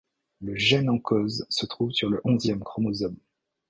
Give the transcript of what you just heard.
Le gène en cause se trouve sur le onzième chromosome.